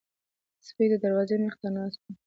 سپي د دروازې مخې ته ناست وو.